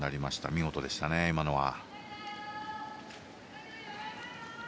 見事でしたね、今のは。